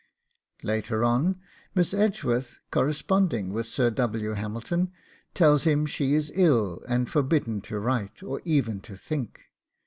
Later on Miss Edgeworth, corresponding with Sir W. Hamilton, tells him she is ill and forbidden to write, or even to think.